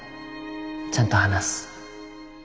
ちゃんと話す。